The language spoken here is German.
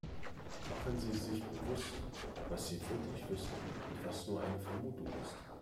Machen Sie sich bewusst, was sie wirklich wissen und was nur eine Vermutung ist.